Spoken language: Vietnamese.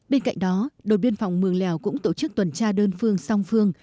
bên cạnh đó đội biên phòng mường lèo cũng tổ chức tuần tra đơn phương song phương